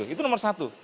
itu nomor satu